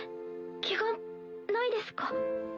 ケガないですか？